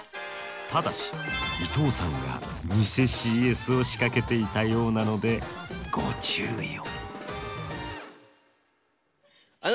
ただし伊藤さんが偽ＣＳを仕掛けていたようなのでご注意を。